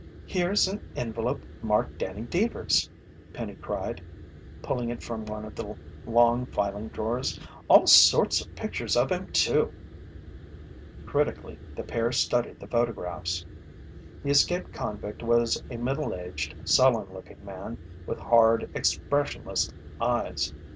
"Here's an envelope marked Danny Deevers!" Penny cried, pulling it from one of the long filing drawers. "All sorts of pictures of him too!" Critically, the pair studied the photographs. The escaped convict was a middle aged, sullen looking man with hard, expressionless eyes.